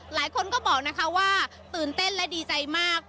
หลายคนก็บอกนะคะว่าตื่นเต้นและดีใจมาก